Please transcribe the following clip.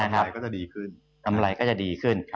ทำอะไรก็จะดีขึ้น